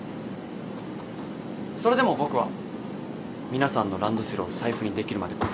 それでも僕は皆さんのランドセルを財布にできるまでここにいます。